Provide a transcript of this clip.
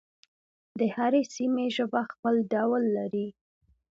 د هرې سیمې ژبه خپل ډول لري.